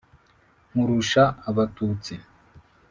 Nkurusha Abatutsi,